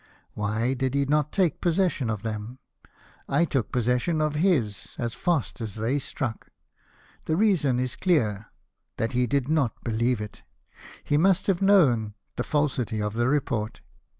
Why did he not take possession of them ? I took possession of his as fast as they struck. The reason is clear — that he did not believe it; he must have known the falsity of the report.